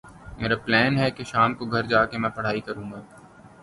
میرا پلین ہے کہ شام کو گھر جا کے میں پڑھائی کرو گا۔